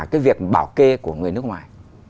cái việc bảo kê của người nước ngoài